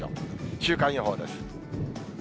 週間予報です。